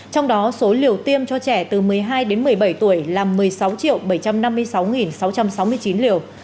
trong đó số liều tiêm cho trẻ từ một mươi hai đến một mươi bảy tuổi là một mươi sáu bảy trăm năm mươi sáu sáu trăm sáu mươi chín liều